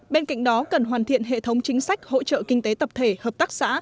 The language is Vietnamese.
bên cạnh đó cần hoàn thiện hệ thống chính sách hỗ trợ kinh tế tập thể hợp tác xã